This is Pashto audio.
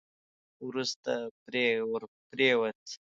وروسته پرې ور پرېووت.